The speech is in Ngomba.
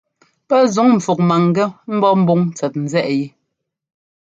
Pɛ́ ńzuŋ pfúk maŋgɛ́ ḿbɔ́ mbúŋ tsɛt nzɛ́ꞌ yɛ.